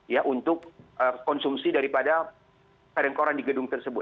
ya untuk konsumsi daripada park kertoran di gedung tersebut